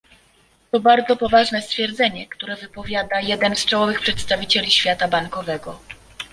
To bardzo poważne stwierdzenie, które wypowiada jeden z czołowych przedstawicieli świata bankowego